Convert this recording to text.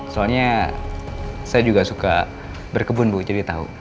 soalnya saya juga suka berkebun bu jadi tahu